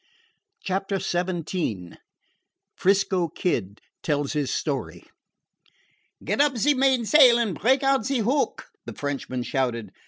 CHAPTER XVII 'FRISCO KID TELLS HIS STORY "Get up ze mainsail and break out ze hook!" the Frenchman shouted.